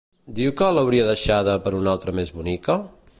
Diu que l'hauria deixada per una altra més bonica?